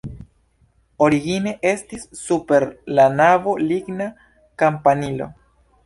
Origine estis super la navo ligna kampanilo.